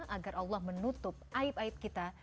agar allah menutup aib aib kita